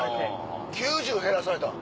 ９０減らされたん？